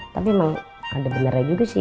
tapi emang ada beneran juga sih